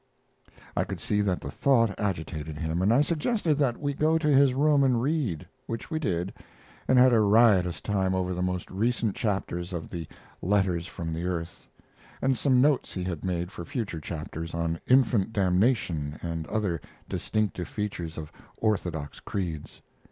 I could see that the thought agitated him, and I suggested that we go to his room and read, which we did, and had a riotous time over the most recent chapters of the 'Letters from the Earth', and some notes he had made for future chapters on infant damnation and other distinctive features of orthodox creeds.